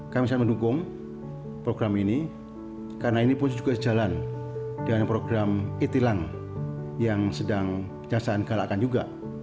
kami sangat mendukung program ini karena ini pun juga sejalan dengan program itilang yang sedang jasaan galakan juga